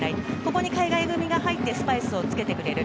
ここに海外組が入ってスパイスをつけてくれる。